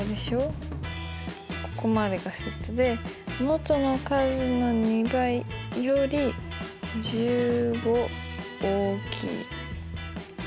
ここまでがセットで「もとの数の２倍より１５大きい」。